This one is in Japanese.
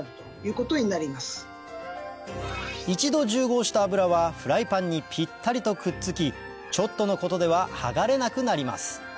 一度重合した油はフライパンにピッタリとくっつきちょっとのことでは剥がれなくなります